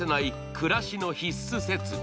暮らしの必須設備。